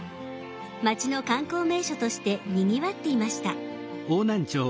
町の観光名所としてにぎわっていました。